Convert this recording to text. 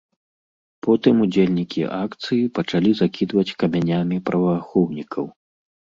Потым удзельнікі акцыі пачалі закідваць камянямі праваахоўнікаў.